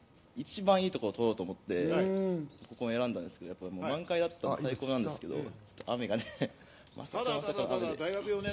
一番いいところを取ろうと思って、ここを選んだんですけど、満開だったら最高なんですけど、雨がね、まさかまさかの雨で。